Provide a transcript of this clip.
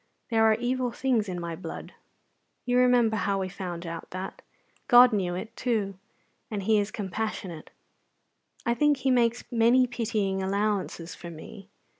There are evil things in my blood. You remember how we found out that. God knew it, too, and He is compassionate. I think He makes many pitying allowances for me.